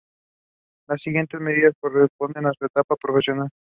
Las siguientes medidas corresponden a su etapa profesional.